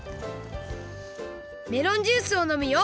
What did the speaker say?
メロンジュースをのむよ！